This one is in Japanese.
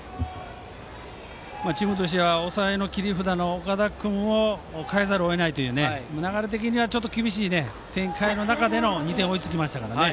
チームとしては抑えの切り札の岡田君を代えざるを得ないという流れ的には厳しい展開の中で２点、追いつきましたから。